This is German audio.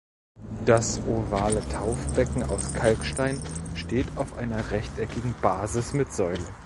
Das ovale Taufbecken aus Kalkstein steht auf einer rechteckigen Basis mit Säule.